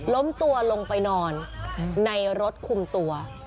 ล้มตัวลงไปนอนในรถคุมตัว